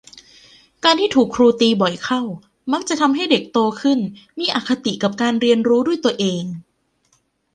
การที่ถูกครูตีบ่อยเข้ามักทำให้เด็กโตขึ้นมีอคติกับการเรียนรู้ด้วยตัวเอง